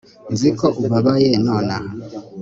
nzi ko ubabaye nonaha